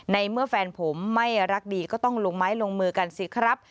ในเมื่อแฟนผมไม่รักดีก็ต้องลงไม้ลงมือกันสิครับ